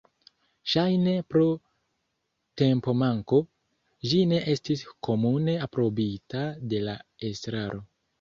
Ŝajne pro tempomanko, ĝi ne estis komune aprobita de la estraro.